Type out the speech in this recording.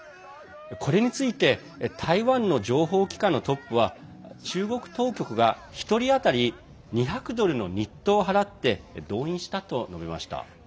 これについて台湾の情報機関のトップは中国当局が１人当たり２００ドルの日当を払って動員したと述べました。